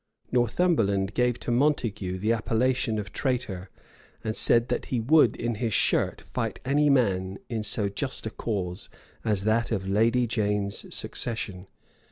Northumberland gave to Montague the appellation of traitor; and said that he would in his shirt fight any man in so just a cause as that of Lady Jane's succession.